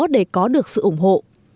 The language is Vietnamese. để có được sự ủng hộ